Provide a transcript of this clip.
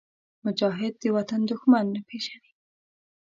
مجاهد د وطن دښمن نه پېژني.